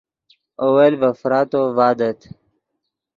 اول ڤے فراتو ڤادت